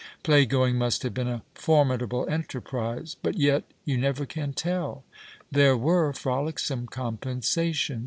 Playgoing must have been a formid able enterprise ... but yet, you never can tell. There were frolicsome compensations.